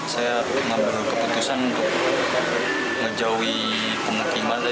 saya ngambil keputusan untuk ngejauhi pemukiman